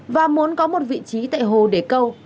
và muốn có một vị trí tại hồ để câu